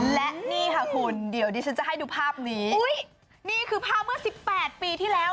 และนี่ค่ะคุณเดี๋ยวดิฉันจะให้ดูภาพนี้อุ้ยนี่คือภาพเมื่อสิบแปดปีที่แล้ว